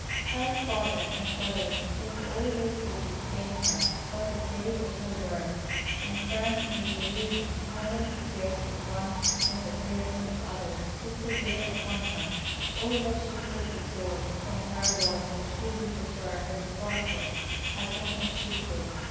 Her father and brothers did all they could to detain her; but the slave of her word, and firm in resolution, neither the tears of the one nor the prayers of the others could prevail upon her. All that they could extort from her was, that she would defer her departure as long as she could.